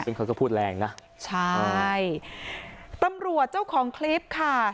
ซึ่งเขาก็พูดแรงนะใช่ตำรวจเจ้าของคลิปค่ะ